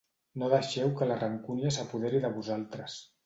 No deixeu que la rancúnia s’apoderi de vosaltres.